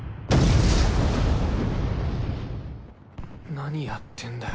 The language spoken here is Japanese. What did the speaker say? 何やってんだよ？